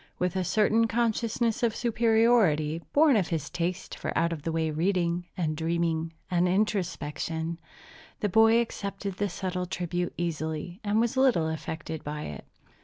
With a certain consciousness of superiority, born of his taste for out of the way reading, and dreaming, and introspection, the boy accepted the subtle tribute easily, and was little affected by it.